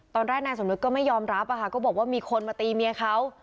นายสมนึกก็ไม่ยอมรับก็บอกว่ามีคนมาตีเมียเขา